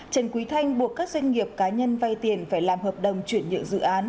trần quý thanh buộc các doanh nghiệp cá nhân vay tiền phải làm hợp đồng chuyển nhượng dự án